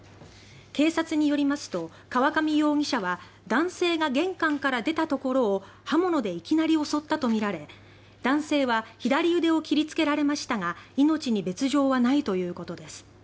警察によりますと河上容疑者は男性が玄関から出たところを刃物でいきなり襲ったとみられ男性は左腕を切りつけられましたが命に別条はないということです。